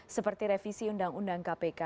seperti revisi undang undang kpk